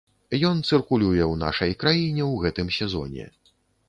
Ён цыркулюе ў нашай краіне ў гэтым сезоне.